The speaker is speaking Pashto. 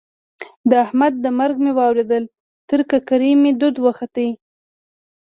د احمد د مرګ مې واورېدل؛ تر ککرۍ مې دود وخوت.